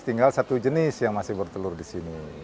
tinggal satu jenis yang masih bertelur di sini